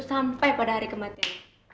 sampai pada hari kematian